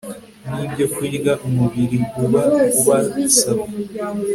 nibyokurya umubiri uba ubasaba